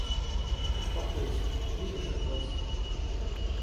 — Успокойся, ты видишь это во сне.